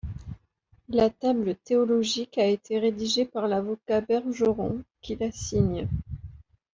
La table théologique a été rédigée par l’avocat Bergeron, qui la signe.